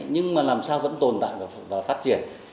nhưng mà làm sao vẫn tồn tại và phát triển